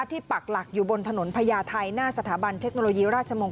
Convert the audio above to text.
ปักหลักอยู่บนถนนพญาไทยหน้าสถาบันเทคโนโลยีราชมงค